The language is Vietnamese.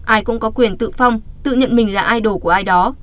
ai cũng có quyền tự phong tự nhận mình là idol của ai đó